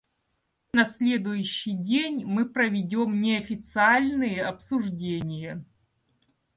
На следующий день мы проведем неофициальные обсуждения.